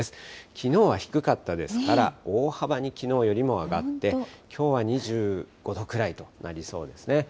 きのうは低かったですから、大幅にきのうよりも上がって、きょうは２５度くらいとなりそうですね。